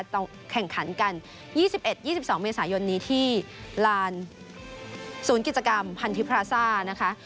แข่งขันกัน๒๑๒๒เมษายนนี้ที่ลานศูนย์กิจกรรมพันธิพราซ่านะคะ